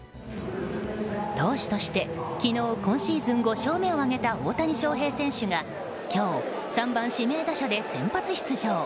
投手として昨日今シーズン５勝目を挙げた大谷翔平選手が今日、３番指名打者で先発出場。